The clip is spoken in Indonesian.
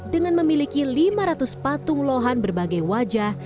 dengan memiliki lima ratus patung lohan berbagai wajah